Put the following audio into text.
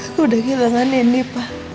aku udah kehilangan ini pak